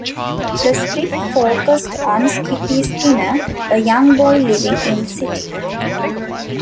The strip focused on Skippy Skinner, a young boy living in the city.